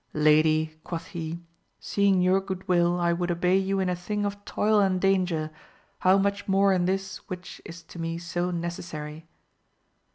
Lady, quoth he, seeing your 268 AMADIS OF GAUL. good will I would obey you in a thing of toil and danger, how much more in this which is to me so necessary.